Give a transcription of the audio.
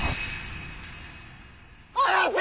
離せ！